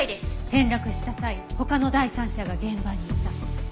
転落した際他の第三者が現場にいた？